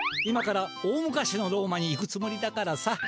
今から大昔のローマに行くつもりだからさ。